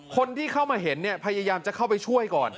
คนที่เข้ามาเห็นเนี่ยพยายามจะเข้าไปช่วยก่อน